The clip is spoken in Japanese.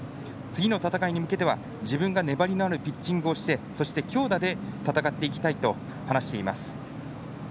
次の戦いに向けては自分が粘りのあるピッチングをして強打で戦っていきたいと話しています。